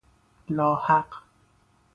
لاحق